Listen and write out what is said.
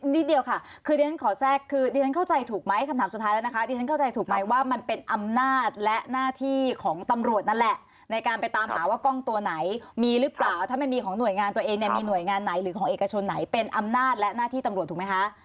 นิดเดียวค่ะคือเรียนขอแทรกคือดิฉันเข้าใจถูกไหมคำถามสุดท้ายแล้วนะคะดิฉันเข้าใจถูกไหมว่ามันเป็นอำนาจและหน้าที่ของตำรวจนั่นแหละในการไปตามหาว่ากล้องตัวไหนมีหรือเปล่าถ้าไม่มีของหน่วยงานตัวเองเนี่ยมีหน่วยงานไหนหรือของเอกชนไหนเป็นอำนาจและหน้าที่ตำรวจถูกไหมคะ